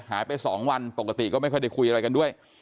หายไป๒วันปกติก็ไม่ค่อยได้คุยอะไรกันด้วย